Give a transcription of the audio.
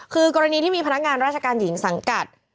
คือกรณีที่มีพนักงานราชการหญิงสังกัด